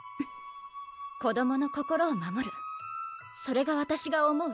子どもの心を守るそれがわたしが思う